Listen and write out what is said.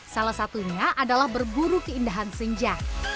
salah satunya adalah berburu keindahan senja